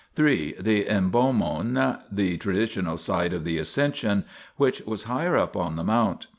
3. The hnbomon (iv pa)/u<jj)* the traditional site of the Ascension, which was higher up on the Mount.